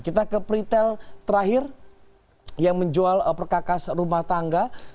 kita ke peritel terakhir yang menjual perkakas rumah tangga